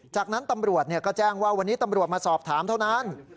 จากนั้นตำรวจก็แจ้งว่าวันนี้ตำรวจมาสอบถามเท่านั้น